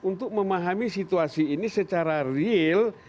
untuk memahami situasi ini secara real